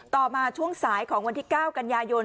ต่อมาช่วงสายของวันที่๙กันยายน